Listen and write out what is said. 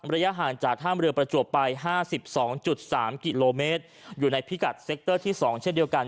ระยะห่างจากท่ามเรือประจวบไปห้าสิบสองจุดสามกิโลเมตรอยู่ในพิกัดเซคเตอร์ที่สองเช่นเดียวกัน